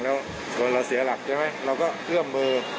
แล้วเราเสียหลักใช่ไหมเราก็เอื้อมมือ